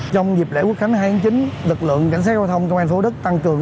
trong dịp lễ quốc khánh hai tháng chín lực lượng cảnh sát giao thông công an phố đức tăng cường